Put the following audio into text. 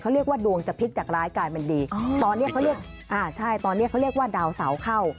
เขาเรียกว่าดวงจะพลิกจากร้ายกายเป็นดีตอนนี้เขาเรียกว่าดาวเสาเข้า